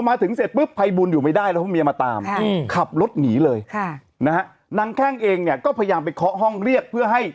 พอมาถึงเสร็จปุ๊บไพบูลอยู่ไม่ได้และถ้าไม่ได้มาตามขับรถหนีเลยไหนนั่งแข้งเองเนี่ยก็พยายามไปเข้าห้องเรียกเพื่อให้